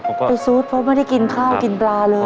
ไปซูดเพราะไม่ได้กินข้าวกินปลาเลย